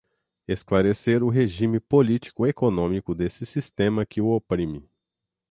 esclarecer o regime político-econômico desse sistema que o oprime